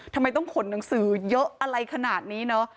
ทำไมต้องขนหนังสือเยอะอะไรขนาดนี้เนอะ